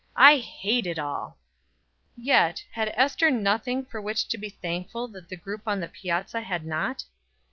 I hate it all." Yet, had Ester nothing for which to be thankful that the group on the piazza had not?